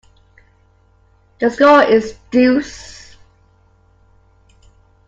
The score is deuce.